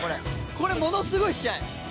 これものすごい試合。